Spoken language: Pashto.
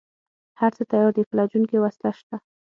هره څه تيار دي فلجوونکې وسله شته.